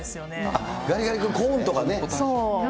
あっ、ガリガリ君、コーンとそう。